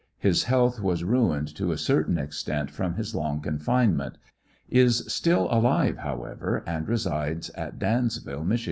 His health was ruined to a certain extent from liis long confinement. Is still alive, however, and resides at Dans ville, Mich.